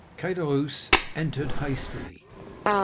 Caderousse entered hastily.